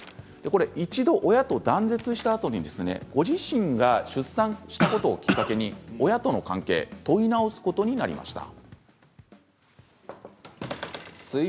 一度、親と断絶したあとにご自身が出産をしたことをきっかけに親との関係を問い直すことになりました。